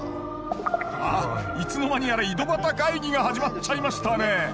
あいつの間にやら井戸端会議が始まっちゃいましたね